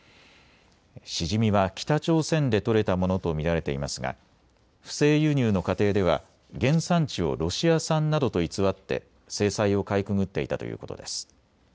シジミは北朝鮮で取れたものと見られていますが不正輸入の過程では原産地をロシア産などと偽って制裁をかいくぐっていたということです。